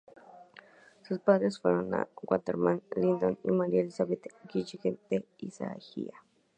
Sus padres fueron Al Waterman Linton y Maria Elizabeth Gillingham de Isaiah.